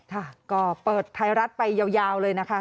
ค่ะก็เปิดไทยรัฐไปยาวเลยนะคะ